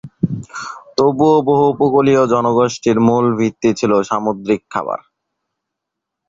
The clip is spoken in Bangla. তবুও, বহু উপকূলীয় জনগোষ্ঠীর মূল ভিত্তি ছিল সামুদ্রিক খাবার।